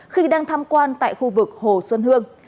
khi đang tham quan tại khu vực hồ xuân hương